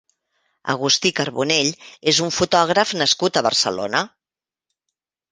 Agustí Carbonell és un fotògraf nascut a Barcelona.